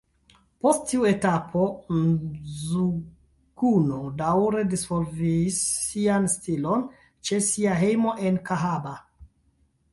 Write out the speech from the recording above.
Post tiu etapo Mzuguno daŭre disvolvis sian stilon ĉe sia hejmo en Kahaba.